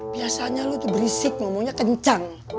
biasanya lu itu berisik ngomongnya kencang